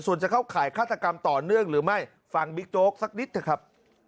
ส่วนจะเข้าข่ายฆาตกรรมต่อเนื่องหรือไม่ฟังบิ๊กโจ๊กสักนิดเถอะครับ